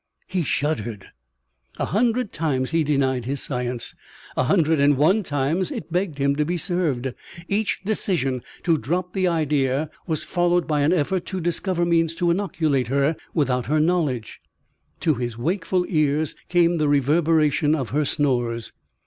He shuddered. A hundred times he denied his science. A hundred and one times it begged him to be served. Each decision to drop the idea was followed by an effort to discover means to inoculate her without her knowledge. To his wakeful ears came the reverberation of her snores.